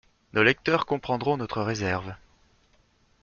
Nos lecteurs comprendront notre réserve.